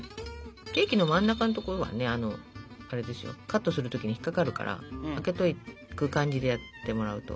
ケーキの真ん中のところはカットする時に引っ掛かるからあけとく感じでやってもらうと。